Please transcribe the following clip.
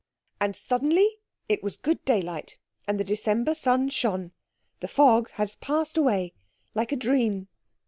And suddenly it was good daylight and the December sun shone. The fog has passed away like a dream.